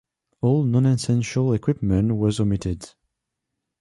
All non-essential equipment was omitted.